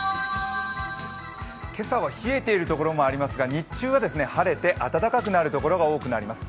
今朝は冷えているところもありますが、日中は晴れて、暖かくなるところが多くなります。